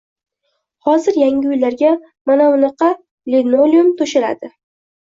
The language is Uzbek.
Hozir yangi uylarga manavunaqa linolium to‘shaladi.